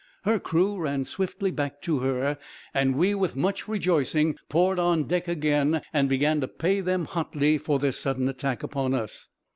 Her crew ran swiftly back to her; and we, with much rejoicing, poured on deck again, and began to pay them hotly for their sudden attack upon us.